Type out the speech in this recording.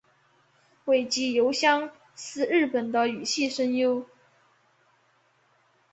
尾崎由香是日本的女性声优。